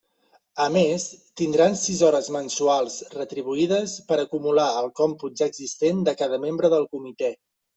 A més, tindran sis hores mensuals retribuïdes per acumular al còmput ja existent de cada membre del comitè.